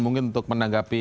mungkin untuk menanggapi